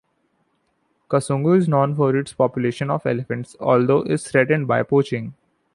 Kasungu is known for its population of elephants although is threatened by poaching.